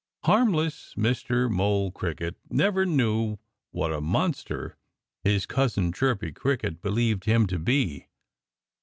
Harmless Mr. Mole Cricket never knew what a monster his cousin Chirpy Cricket believed him to be.